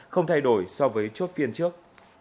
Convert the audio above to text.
không thay đổi so với chốt phiên trước